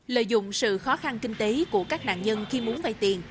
lợi dụng sự khó khăn kinh tế của các nạn nhân khi muốn vay tiền